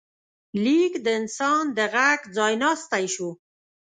لیک د انسان د غږ ځای ناستی شو.